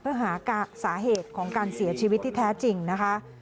เพื่อหาสาเหตุของการเสียชีวิตที่แท้จริงนะคะ